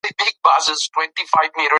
آیا ته پوهېږې چې دا سره زر اوس چېرته دي؟